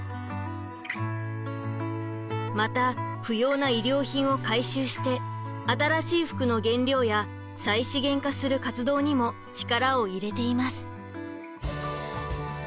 また不要な衣料品を回収して新しい服の原料や再資源化する活動にも力を入れています。